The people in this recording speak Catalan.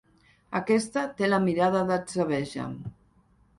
Aquesta té la mirada d'atzabeja.